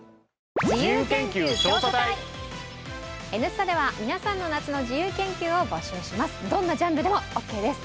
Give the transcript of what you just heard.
「Ｎスタ」では皆さんの夏の自由研究を募集します。